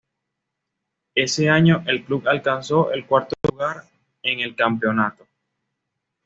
Ese año, el club alcanzó el cuarto lugar en el campeonato.